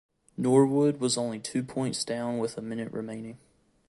Norwood was only two points down with a minute remaining.